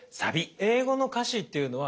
英語の歌詞っていうのは